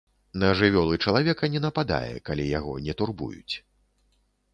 На жывёл і чалавека не нападае, калі яго не турбуюць.